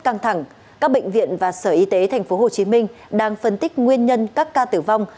căng thẳng các bệnh viện và sở y tế thành phố hồ chí minh đang phân tích nguyên nhân các ca tử vong